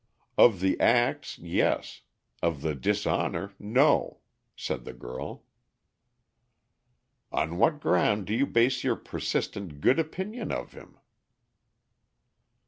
"Of the acts, yes. Of the dishonor, no," said the girl. "On what ground do you base your persistent good opinion of him?"